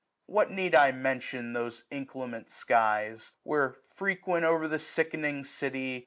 What need I mention those inclement skies. Where, frequent o'er the sickening city.